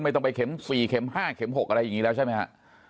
ไม่ต้องไปเข็ม๔เข็ม๕เข็ม๖อะไรอย่างนี้แล้วใช่ไหมฮะ